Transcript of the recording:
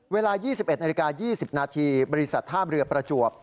เวลา๒๑๒๐นาทีบริษัททาบเรือประจวบ